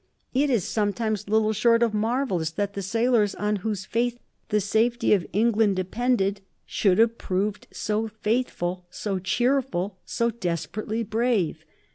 It is sometimes little short of marvellous that the sailors on whose faith the safety of England depended should have proved so faithful, so cheerful, so desperately brave.